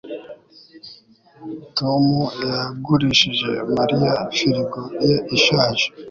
Tom yagurishije Mariya firigo ye ishaje